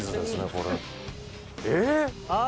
これえあっ